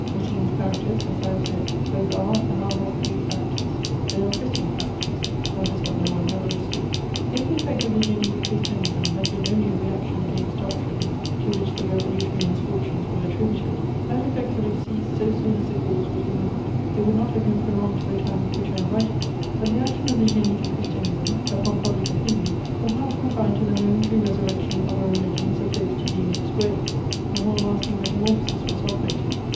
Racine's characters, as I have said, both are and are not Greek characters: they are Christian characters; that is what no one had understood. [Sidenote: Effects of the publication.] If the effect of the Génie du Christianisme had been only a reaction against doctrines to which the revolutionary misfortunes were attributed, that effect would have ceased so soon as the cause was removed; it would not have been prolonged to the time at which I am writing. But the action of the Génie du Christianisme upon public opinion was not confined to the momentary resurrection of a religion supposed to be in its grave: a more lasting metamorphosis was operated.